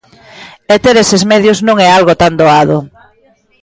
E ter eses medios non é algo tan doado.